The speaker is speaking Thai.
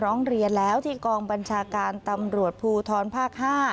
ร้องเรียนแล้วที่กองบัญชาการตำรวจภูทรภาค๕